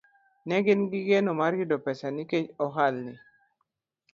Ne gin gi geno mar yudo pesa nikech ohalni